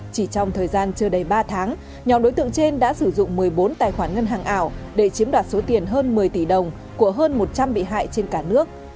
chỉ trong thời gian chưa đầy ba tháng nhóm đối tượng trên đã sử dụng một mươi bốn tài khoản ngân hàng ảo để chiếm đoạt số tiền hơn một mươi tỷ đồng của hơn một trăm linh bị hại trên cả nước